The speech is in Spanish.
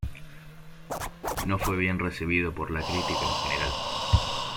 No fue bien recibido por la crítica en general.